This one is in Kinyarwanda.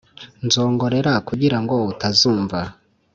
nzongorera kugirango utazumva,